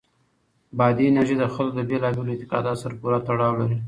بادي انرژي د خلکو له بېلابېلو اعتقاداتو سره پوره تړاو لري.